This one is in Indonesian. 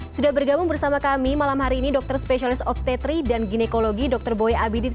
sudah bergabung bersama kami malam hari ini dokter spesialis obstetri dan ginekologi dr boy abidin